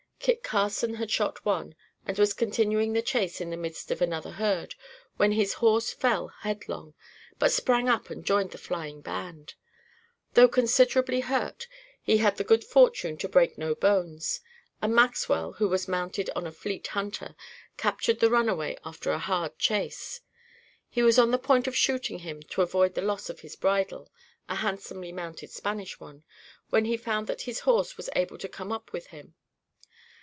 Kit Carson had shot one, and was continuing the chase in the midst of another herd, when his horse fell headlong, but sprang up and joined the flying band. Though considerably hurt, he had the good fortune to break no bones; and Maxwell, who was mounted on a fleet hunter, captured the runaway after a hard chase. He was on the point of shooting him, to avoid the loss of his bridle (a handsomely mounted Spanish one), when he found that his horse was able to come up with him.